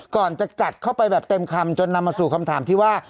ก่อนจะจัดเข้าไปแบบเต็มคำจนนำมาสู่คำถามที่ว่า